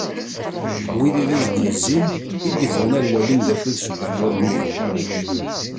Wid i as-d-yezzin i d-ffɣen ad walin d acu d ssebba n wabbu-a.